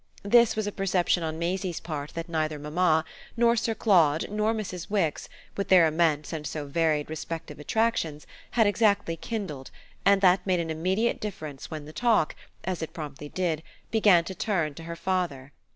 This was a perception on Maisie's part that neither mamma, nor Sir Claude, nor Mrs. Wix, with their immense and so varied respective attractions, had exactly kindled, and that made an immediate difference when the talk, as it promptly did, began to turn to her father.